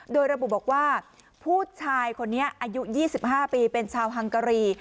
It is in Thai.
โดยระบุบอกว่าผู้ชายคนนี้อายุ๒๕ปีเป็นชาวฮังการี